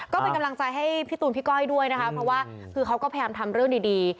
ก็เป็นกำลังใจให้พี่ตูนพี่ก้อยด้วยนะคะเพราะว่าคือเขาก็พยายามทำเรื่องดี